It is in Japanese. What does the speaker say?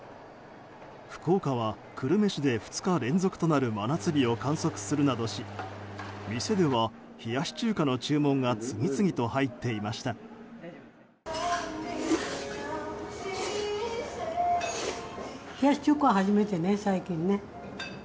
福岡は久留米市で２日連続となる真夏日を観測するなど市店では、冷やし中華の注文が次々と入っていました。